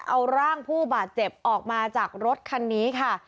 เอาร่างผู้บาดเจ็บออกมาจากรถคันนี้ค่ะ